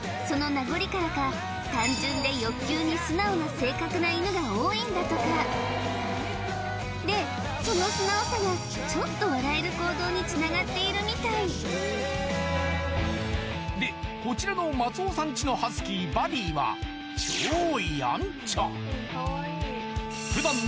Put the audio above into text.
その名残からか単純で欲求に素直な性格な犬が多いんだとかでその素直さがちょっと笑える行動につながっているみたいでこちらの松尾さんちのハスキーバディは超あ